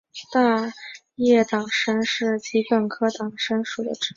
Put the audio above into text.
大叶党参是桔梗科党参属的植物。